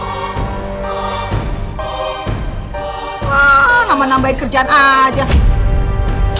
lama nambahin kerjaan aja